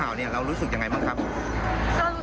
แล้วก็ใจหายมากรู้สึกว่าแบบเราอยากมาส่ง